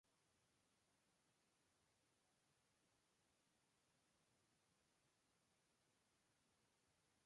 El monumento tiene una inscripción con una exhortación a la paz y la unidad.